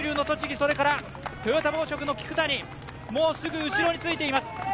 それからトヨタ紡織の聞谷、もうすぐ後についています。